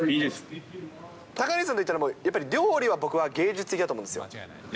高梨さんでいったら、やっぱり料理は僕は芸術的だと思うんですよ。